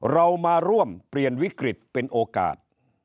เรามาร่วมเปลี่ยนวิกฤตเป็นโอกาส